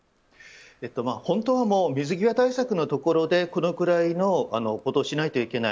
本当は水際対策のところでこのくらいのことをしないといけない。